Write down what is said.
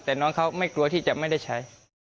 แต่น้องเขาไม่กลัวที่จะไม่ได้ใช้